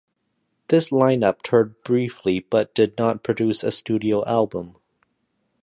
This line-up toured briefly but did not produce a studio album.